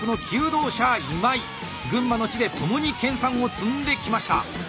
群馬の地で共に研さんを積んできました。